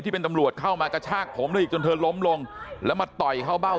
ที่เป็นตำรวจเข้ามากระชากผมถึงเธอลมลงแล้วมาต่อเข้าเบ้า